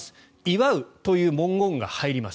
祝うという文言が入ります。